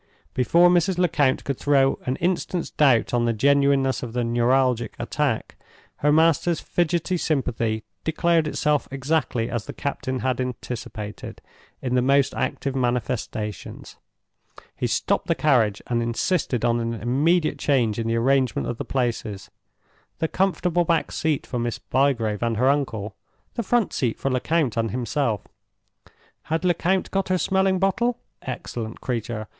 Before Mrs. Lecount could throw an instant's doubt on the genuineness of the neuralgic attack, her master's fidgety sympathy declared itself exactly as the captain had anticipated, in the most active manifestations. He stopped the carriage, and insisted on an immediate change in the arrangement of the places—the comfortable back seat for Miss Bygrave and her uncle, the front seat for Lecount and himself. Had Lecount got her smelling bottle? Excellent creature!